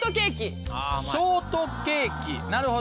ショートケーキなるほど。